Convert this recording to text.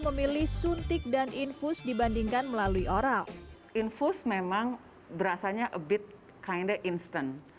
memilih suntik dan infus dibandingkan melalui oral infus memang berasanya a bit kinda instant